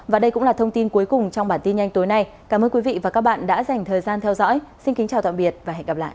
và đây cũng là thông tin cuối cùng trong bản tin nhanh tối nay cảm ơn quý vị và các bạn đã dành thời gian theo dõi xin kính chào tạm biệt và hẹn gặp lại